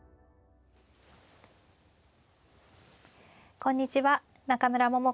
こんにちは中村桃子です。